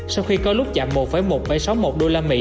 sau khi có lúc giảm một một nghìn bảy trăm sáu mươi một usd